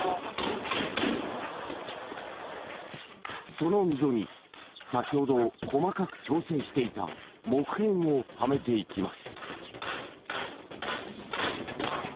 その溝に先ほど細かく調整していた木片をはめていきます